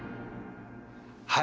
はい。